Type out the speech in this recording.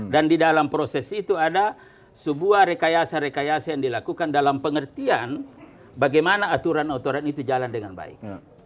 dan di dalam proses itu ada sebuah rekayasa rekayasa yang dilakukan dalam pengertian bagaimana aturan aturan itu jalan dengan baik